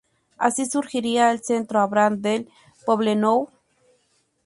Así surgiría el Centro Abraham del Poblenou.